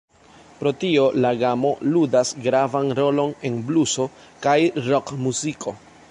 Pro tio la gamo ludas gravan rolon en bluso kaj rokmuziko.